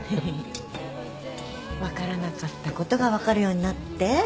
分からなかったことが分かるようになって。